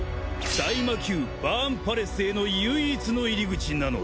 大魔宮バーンパレスへの唯一の入り口なのだ。